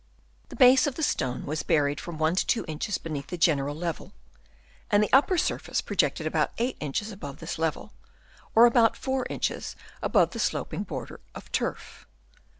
The base of the stone was buried from 1 to 2 inches beneath the general level, and the upper surface projected about 8 inches above this level, or about 4 inches above the sloping border of turf.